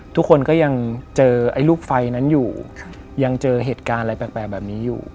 ทุกคนก็ยังเจอไอ้ลูกไฟนั้นอยู่ยังเจอเหตุการณ์อะไรแปลกแบบนี้อยู่